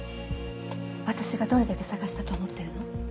私がどれだけ捜したと思ってるの？